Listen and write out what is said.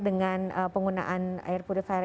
dengan penggunaan air purifier